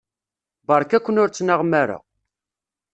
Beṛka-ken ur ttnaɣem ara.